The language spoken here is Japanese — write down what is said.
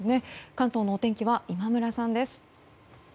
関東のお天気は今村さんです。